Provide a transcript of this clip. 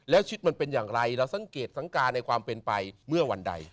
แล้วชิดมันเป็นอย่างไรเราสังเกตสังการในความเป็นไปเมื่อวันใด